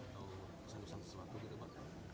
atau kesan kesan sesuatu dari pak